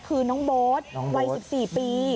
คือน้องโบ๊ทวัย๑๔ปี